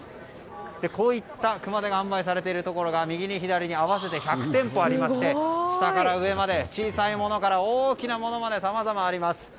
こういった熊手が販売されているところが合わせて１００店舗ありまして下から上まで小さいものから大きいものまでさまざまあります。